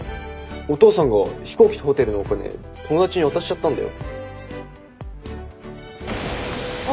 お父さんが飛行機とホテルのお金友達に渡しちゃったんだよ。